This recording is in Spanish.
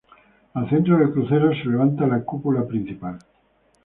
Al centro del crucero se levanta la cúpula principal.